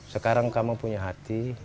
sekarang kamu punya hati